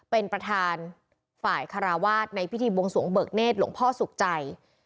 เป็นประธานฝ่ายคาราวาสในพิธีบวงสวงเบิกเนธหลวงพ่อสุขใจ